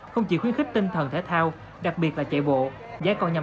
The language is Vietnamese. không chỉ khuyến khích tinh thần thể thao đặc biệt là chạy bộ